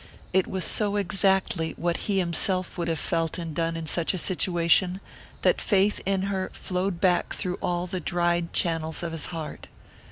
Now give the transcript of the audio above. It was so exactly what he himself would have felt and done in such a situation that faith in her flowed back through all the dried channels of his heart.